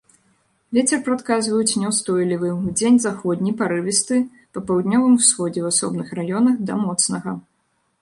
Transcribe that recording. Вецер прадказваюць няўстойлівы, удзень заходні, парывісты, па паўднёвым усходзе ў асобных раёнах да моцнага.